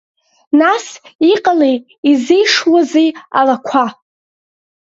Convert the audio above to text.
Нас, иҟалеи, изеишуазеи алақәа?